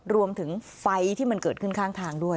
รวมถึงไฟที่มันเกิดขึ้นข้างทางด้วย